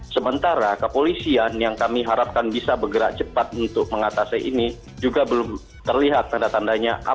sementara kepolisian yang kami harapkan bisa bergerak cepat untuk mengatasi ini juga belum terlihat tanda tandanya